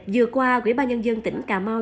vừa qua quỹ ba nhân dân tỉnh cà mau